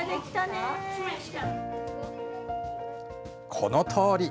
このとおり。